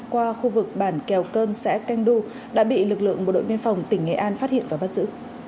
qua khu vực bản kèo cơm xã canh du đã bị lực lượng bộ đội biên phòng tỉnh nghệ an phát hiện và bắt giữ